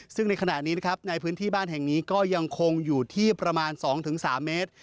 ซึ่งในขณะนี้นะครับในพื้นที่บ้านแห่งนี้ก็ยังคงอยู่ที่ประมาณ๒๓เมตร